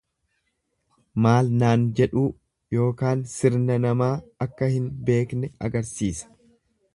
Maal naan jedhuu ykn sirna namaa akka hin beekne agarsiisa.